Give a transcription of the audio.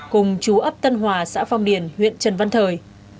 cùng chú ấp tân hòa xã phong điền huyện trần văn thời